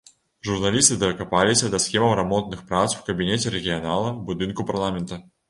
Журналісты дакапаліся да схемаў рамонтных прац ў кабінеце рэгіянала ў будынку парламента.